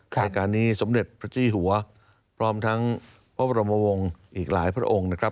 ในการนี้สมเด็จพระเจ้าหัวพร้อมทั้งพระบรมวงศ์อีกหลายพระองค์นะครับ